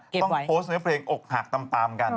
ต้องโพสต์เนื้อเพลงอกหักตามกัน